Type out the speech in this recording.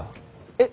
えっ？